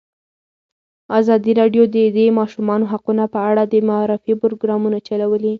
ازادي راډیو د د ماشومانو حقونه په اړه د معارفې پروګرامونه چلولي.